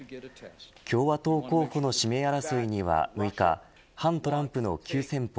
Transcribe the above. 共和党候補の指名争いには、６日反トランプの急先鋒